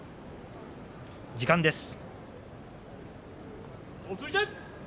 時間です。